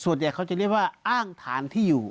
ส่วนใหญ่เขาจะเรียกว่าอ้างฐานที่อยู่